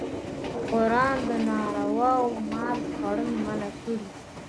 قرآن د ناروا مال خوړل منع کړي.